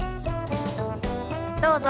どうぞ。